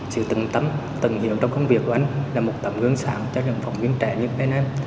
sự tận tâm tận hiệu trong công việc của anh là một tầm gương sản cho những phóng viên trẻ như bên em